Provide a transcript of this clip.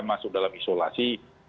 masuk dalam isolasi